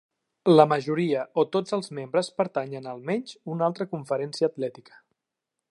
La majoria o tots els membres pertanyen a almenys una altra conferència atlètica.